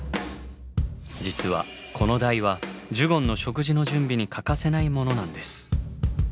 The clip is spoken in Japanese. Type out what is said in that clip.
実はこの台はジュゴンの食事の準備に欠かせないものなんです。